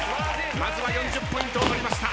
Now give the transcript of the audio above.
まずは４０ポイントを取りました。